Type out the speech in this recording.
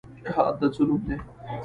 جهاد د څه نوم دی؟